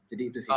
jadi itu saja